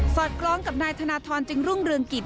อดคล้องกับนายธนทรจึงรุ่งเรืองกิจ